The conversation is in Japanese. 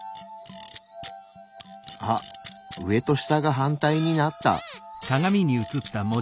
あっ上と下が反対になった。